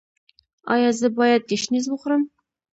ایا زه باید ګشنیز وخورم؟